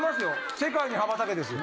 世界に羽ばたけですよ。